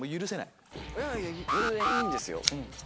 いやいや全然いいんですよ。